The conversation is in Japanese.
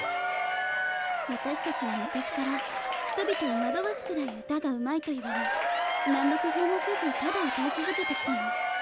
わたしたちは昔から人々をまどわすくらい歌がうまいと言われ何のくふうもせずただ歌いつづけてきたの。